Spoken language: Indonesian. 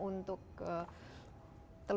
pemerintah pak mbak mbak